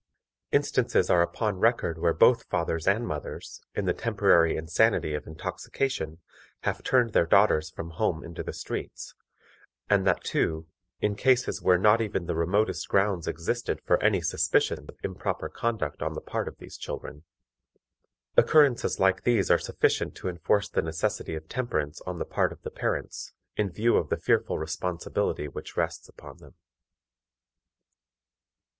Instances are upon record where both fathers and mothers, in the temporary insanity of intoxication, have turned their daughters from home into the streets, and that, too, in cases where not even the remotest grounds existed for any suspicion of improper conduct on the part of these children. Occurrences like this are sufficient to enforce the necessity of temperance on the part of parents, in view of the fearful responsibility which rests upon them.